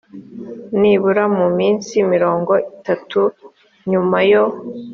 nibura mu minsi mirongo itatu nyuma yo